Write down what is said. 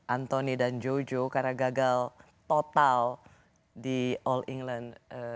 antoni dan jojo karena gagal total di all england dua ribu sembilan belas